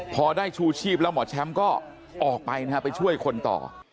พอได้ชูชีพแล้วหมอแชมป์ก็ออกไปนะฮะไปช่วยคนต่อ